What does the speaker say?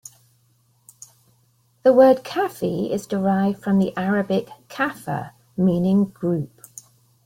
The word Kafi is derived from the Arabic "kafa" meaning group.